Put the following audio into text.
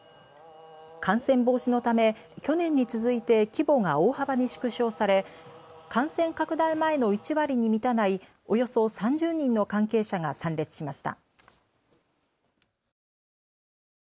感染防止のため去年に続いて規模が大幅に縮小され感染拡大前の１割に満たないおよそ３０人の関係者が参列しました。